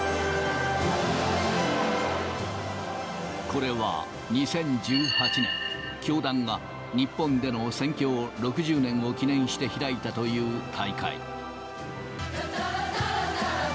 これは２０１８年、教団が、日本での宣教６０年を記念して開いたという大会。